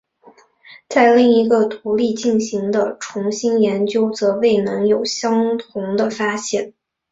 但另一个独立进行的重新研究则未能有相同的发现。